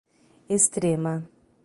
Extrema